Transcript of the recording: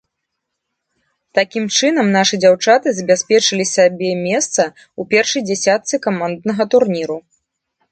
Такім чынам, нашы дзяўчаты забяспечылі сабе месца ў першай дзесятцы каманднага турніру.